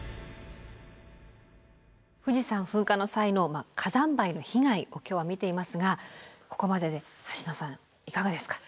富士山噴火の際の火山灰の被害を今日は見ていますがここまでではしのさんいかがですか？